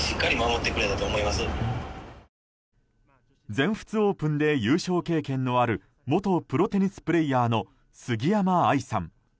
全仏オープンで優勝経験のある元プロテニスプレーヤーの杉山愛さん。